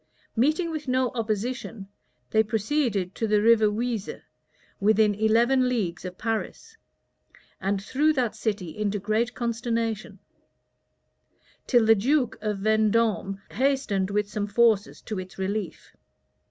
Meeting with no opposition, they proceeded to the River Oise, within eleven leagues of Paris, and threw that city into great consternation; till the duke of Vendôme hastened with some forces to its relief.